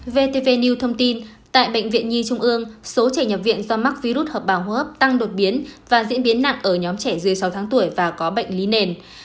vtv new thông tin tại bệnh viện nhi trung ương số trẻ nhập viện do mắc virus hợp bào hô hấp tăng đột biến và diễn biến nặng ở nhóm trẻ dưới sáu tháng tuổi và có bệnh lý nền